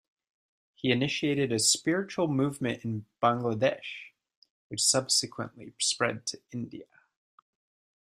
He initiated a spiritual movement in Bangladesh which subsequently spread to India.